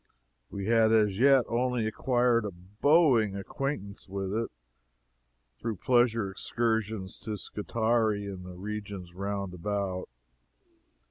We had as yet only acquired a bowing acquaintance with it, through pleasure excursions to Scutari and the regions round about.